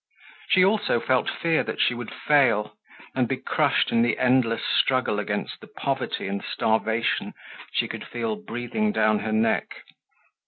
She also felt fear that she would fail and be crushed in the endless struggle against the poverty and starvation she could feel breathing down her neck.